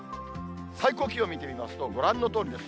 最高気温見てみますと、ご覧のとおりです。